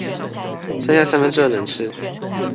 剩下三分之二能吃